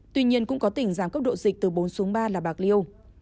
tuy nhiên cũng có tỉnh giảm cấp độ dịch từ bốn xuống ba là bạc liêu